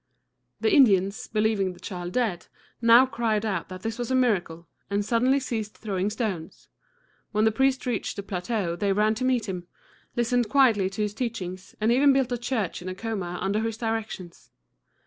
The Indians, believing the child dead, now cried out that this was a miracle, and suddenly ceased throwing stones. When the priest reached the plateau they ran to meet him, listened quietly to his teachings, and even built a church in Acoma under his directions.